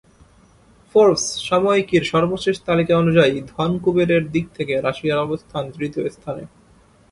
Forbes সাময়িকীর সর্বশেষ তালিকা অনুযায়ী, ধনকুবেরের দিক থেকে রাশিয়ার অবস্থান তৃতীয় স্থানে।